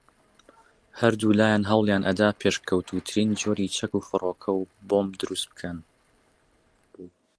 ھەردوولایان ھەوڵیان ئەدا پێشکەوتووترین جۆری چەک و فڕۆکەو بۆمب دروست بکەن